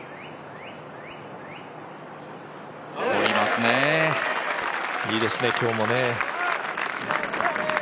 いいですね、今日もね。